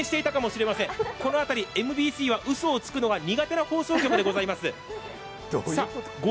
うそをつくのがこの辺りＭＢＣはうそをつくのが苦手な局でございます。